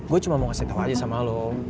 gue cuma mau ngasih tau aja sama lo